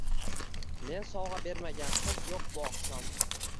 Men sovga bermagan qiz yuq bu oqshom